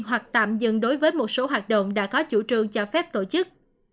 hoặc tạm dừng đối với một số hoạt động đã có chủ trương cho phép tổ chức